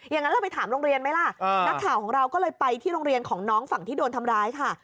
อย่างนั้นเราไปถามโรงเรียนไหมล่ะนักข่าวของเราก็เลยไปที่โรงเรียนของน้องฝั่งที่โดนทำร้ายค่ะ